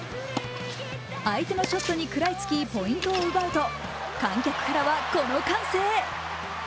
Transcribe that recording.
相手のショットに食らいつきポイントを奪うと観客からはこの歓声。